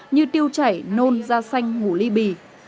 như tiêu chảy nôn da xanh ngủ ly bì